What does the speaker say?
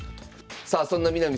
さあそんな南先生